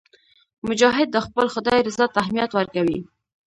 مجاهد د خپل خدای رضا ته اهمیت ورکوي.